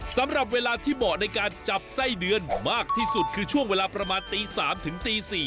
สำหรับเวลาที่เหมาะในการจับไส้เดือนมากที่สุดคือช่วงเวลาประมาณตี๓ถึงตี๔